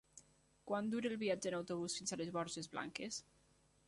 Quant dura el viatge en autobús fins a les Borges Blanques?